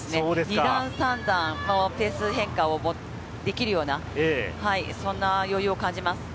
２段３段、ペース変化をできるような、そんな余裕を感じます。